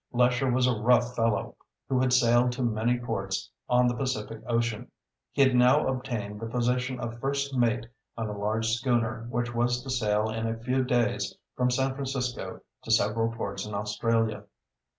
Lesher was a rough fellow, who had sailed to many ports on the Pacific Ocean. He had now obtained the position of first mate on a large schooner which was to sail in a few days from San Francisco to several ports in Australia.